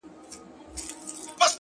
وخت د ضایع شوو فرصتونو غږ نه اوري!